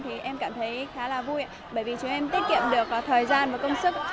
thì em cảm thấy khá là vui bởi vì chúng em tiết kiệm được thời gian và công sức